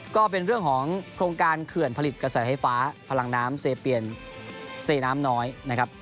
ก็เป็นเรื่องของโครงการเขื่อนผลิตกระแสไฟฟ้าพลังน้ำเซเปียนเซน้ำน้อยนะครับ